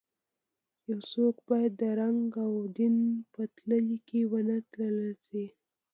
یو څوک باید د رنګ او دین په تلې کې ونه تلل شي.